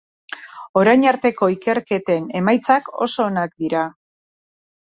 Orain arteko ikerketen emaitzak oso onak dira.